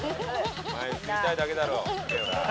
映りたいだけだろ。